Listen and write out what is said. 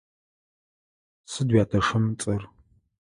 Сыд уятэщым ыцӏэр?